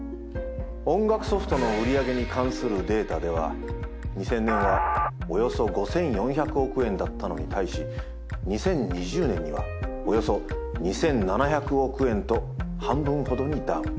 音楽ソフトの売り上げに関するデータでは２０００年はおよそ５４００億円だったのに対し２０２０年にはおよそ２７００億円と半分ほどにダウン。